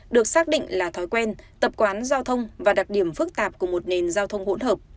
được xác định là thói quen tập quán giao thông và đặc điểm phức tạp của một nền giao thông hỗn hợp